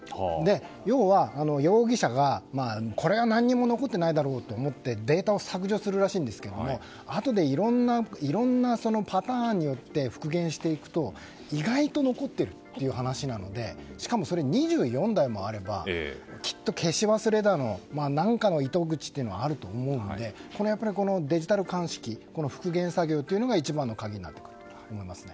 要は、容疑者がこれは何も残っていないだろうとデータを削除するらしいんですがあとでいろんなパターンによって復元していくと意外と残っているという話なのでしかも２４台もあればきっと、消し忘れだの何かの糸口があると思うのでデジタル鑑識復元作業というのが一番の鍵になってくると思います。